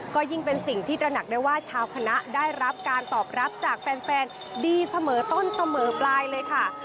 ก็ยิ่งเป็นสิ่งที่ตระหนักได้ว่าชาวคณะได้รับการตอบรับจากแฟนดีเสมอต้นเสมอปลายเลยค่ะ